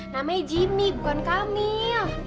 namanya jimmy bukan kamil